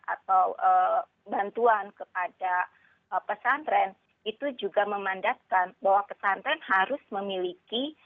atau bantuan kepada pesantren itu juga memandaskan bahwa pesantren harus memiliki